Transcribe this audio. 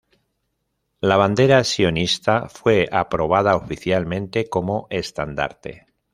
La bandera sionista fue aprobada oficialmente como estandarte.